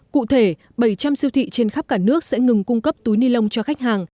cụ thể bảy trăm linh siêu thị trên khắp cả nước sẽ ngừng cung cấp túi ni lông cho khách hàng